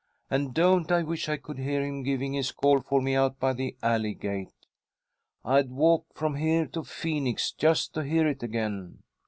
And don't I wish I could hear him giving his call for me out by the alley gate! I'd walk from here to Phoenix just to hear it again."